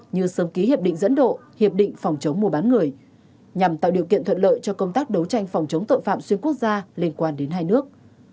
như sớm ký hiệp định dẫn độ hiệp định phòng chống mua bán người nhằm tạo điều kiện thuận lợi cho công tác đấu tranh phòng chống tội phạm xuyên quốc gia liên quan đến hai nước